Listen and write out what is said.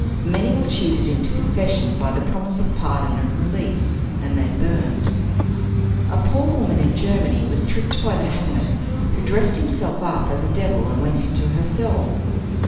Many were cheated into confession by the promise of pardon and release, and then burned. A poor woman in Germany was tricked by the hangman, who dressed himself up as a devil and went into her cell.